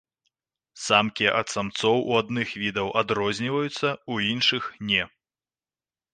Самкі ад самцоў у адных відаў адрозніваюцца, у іншых не.